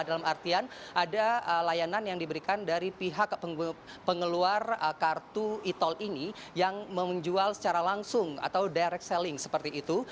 dalam artian ada layanan yang diberikan dari pihak pengeluar kartu e tol ini yang menjual secara langsung atau direct selling seperti itu